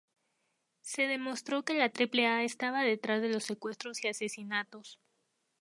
Se demostró que la Triple A estaba detrás de los secuestros y asesinatos.